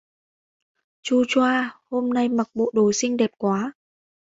Chu choa hôm nay mặc bộ đồ xinh đẹp quá